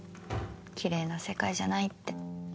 きれいな世界じゃないって。